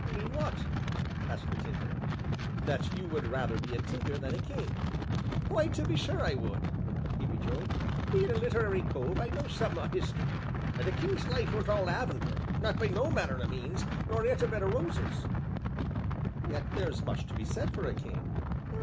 "Mean what?" asked the Tinker. "That you would rather be a tinker than a king?" "Why, to be sure I would," he rejoined. "Bein' a literary cove I know summat o' history, and a king's life weren't all lavender not by no manner o' means, nor yet a bed o' roses." "Yet there's much to be said for a king."